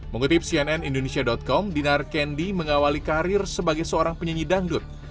mengutip cnn indonesia com dinar kendi mengawali karir sebagai seorang penyanyi dangdut